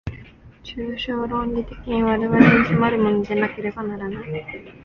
抽象論理的に我々に迫るものでなければならない。